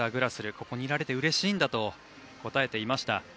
ここに出られてうれしいんだと答えていました。